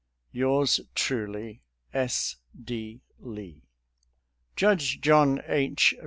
"Yours truly, " S. D. Lee." Judge John H.